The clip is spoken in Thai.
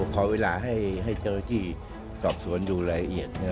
ขอเวลาให้เจ้าที่สอบสวนดูละเอียดนะครับ